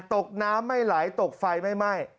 ตกน้ำไม่ไหลตกไฟไม่ไหม้